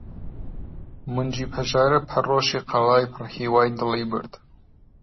مۆنجی پەژارە پەرۆشی قەڵای پڕ هیوای دڵی برد!